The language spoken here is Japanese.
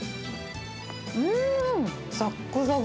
うーん、さっくさく。